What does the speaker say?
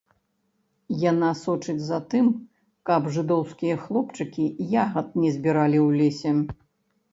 Яна сочыць за тым, каб жыдоўскія хлопчыкі ягад не збіралі ў лесе.